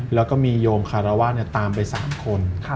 แล้วก็มีโยมคารวาสตามไป๓คน